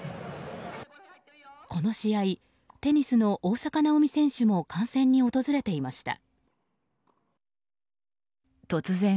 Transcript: この試合、テニスの大坂なおみ選手も観戦に訪れていました。